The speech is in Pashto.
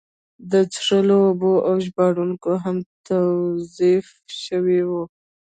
د څښلو اوبه او ژباړونکي هم توظیف شوي وو.